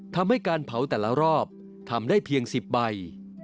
ทำให้การเผาแต่ละรอบทำได้เพียง๑๐ใบ